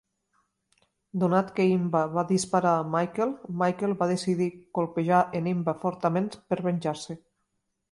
Donat que Inba va disparar Michael, Michael va decidir colpejar en Inba fortament per venjar-se.